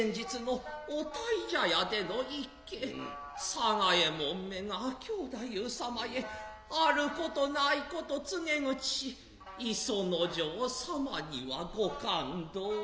佐賀右衛門めが兵太夫様へあることないこと告げ口し磯之丞様には御勘当。